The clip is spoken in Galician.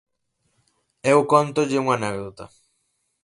Eu cóntolle unha anécdota.